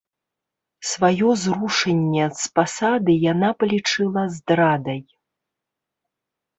Сваё зрушэнне з пасады яна палічыла здрадай.